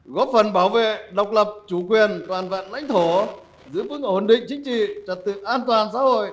góp phần bảo vệ độc lập chủ quyền toàn vạn lãnh thổ giữ vững ổn định chính trị trật tự an toàn xã hội